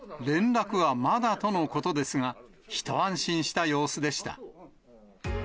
連絡はまだとのことですが、一安心した様子でした。